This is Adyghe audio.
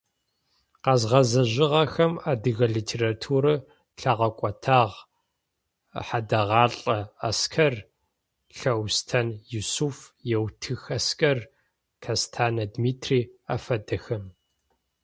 Къэзгъэзэжьыгъэхэм адыгэ литературэр лъагъэкӏотагъ: Хьадэгъэлӏэ Аскэр, Лъэустэн Юсыф, Еутых Аскэр, Кэстэнэ Дмитрий афэдэхэм.